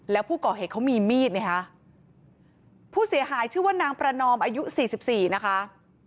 แล้วผู้ก่อเหตุเขามีมีดไงฮะผู้เสียหายชื่อว่านางประนอมอายุสี่สิบสี่นะคะ